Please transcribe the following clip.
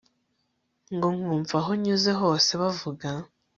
nko kumva aho nyuze hose bavuga